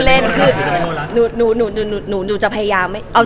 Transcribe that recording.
เล่นคือหนูจะพยายาม